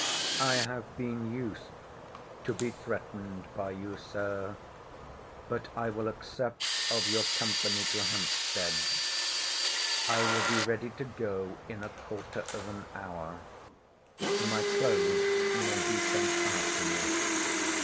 I have been used to be threatened by you, Sir—but I will accept of your company to Hampstead—I will be ready to go in a quarter of an hour—my clothes may be sent after me.